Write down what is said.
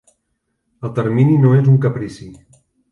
El termini no és un caprici.